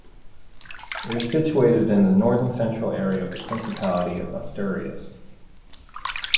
It is situated in the northern-central area of the Principality of Asturias.